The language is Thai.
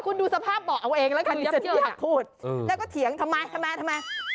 คุณดูสภาพบอกเอาเองแล้วค่ะไม่อยากพูดเออแล้วก็เถียงทำไมทำไมทำไม